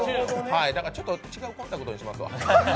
ちょっと違うコンタクトにしますわ。